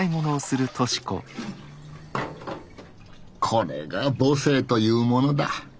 これが母性というものだ。